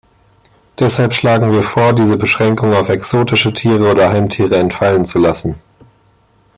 Deshalb schlagen wir vor, diese Beschränkung auf exotische Tiere oder Heimtiere entfallen zu lassen.